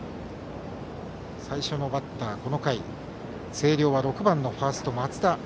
最初のバッター、この回星稜は６番ファースト松田。